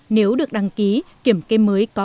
nếu được đăng ký kiểm kê mới có